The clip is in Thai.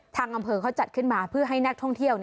ทางอำเภอเขาจัดขึ้นมาเพื่อให้นักท่องเที่ยว